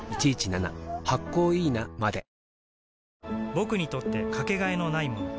僕にとってかけがえのないもの